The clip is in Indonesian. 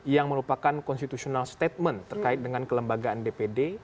yang merupakan constitutional statement terkait dengan kelembagaan dpd